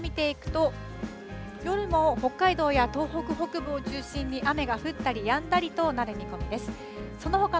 そして夜も見ていくと、夜も北海道や東北北部を中心に、雨が降ったりやんだりとなる見込みです。